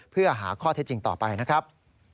เพื่อหาข้อเท็จจริงต่อไปนะครับ